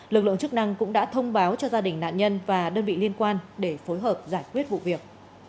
lực lượng chức năng cũng đã thông báo cho gia đình nạn nhân và đơn vị liên quan để phối hợp giải quyết vụ việc